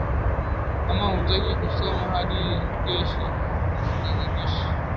Kama hutaki kusoma hadi kesho usijilazimishe